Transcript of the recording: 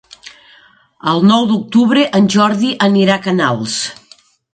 El nou d'octubre en Jordi anirà a Canals.